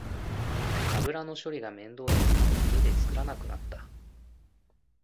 油の処理が面倒で家で作らなくなった